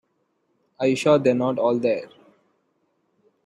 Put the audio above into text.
Are you sure they are not all there?